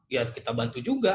ya kita bantu juga